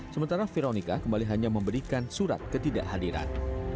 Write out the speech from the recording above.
sementara veronica kembali hanya memberikan surat ketidakhadiran